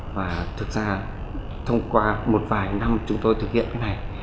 và thực ra thông qua một vài năm chúng tôi thực hiện cái này